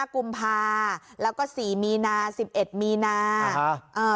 ๒๕กุมภาพันธุ์แล้วก็๔มีนาแล้วก็๑๑มีนา